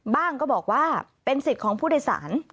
ก็บอกว่าเป็นสิทธิ์ของผู้โดยสาร